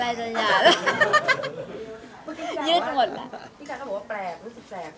พี่คันก็ว่าพี่คันก็บอกว่าแปลกรู้สึกแปลก